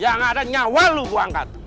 yang ada nyawa lu bu angkat